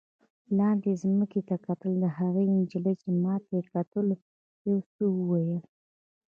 لاندې ځمکې ته کتل، هغې نجلۍ چې ما ته یې کتل یو څه وویل.